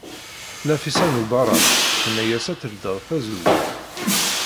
Nafisa n Ubeṛṛan tenna-as ad teldey tazewwut.